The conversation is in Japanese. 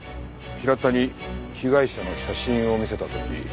平田に被害者の写真を見せた時。